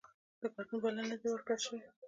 د ګډون بلنه نه ده ورکړل شوې